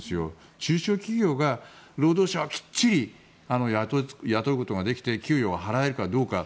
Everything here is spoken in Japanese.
中小企業が労働者はきっちり雇うことができて給与を払えるかどうか。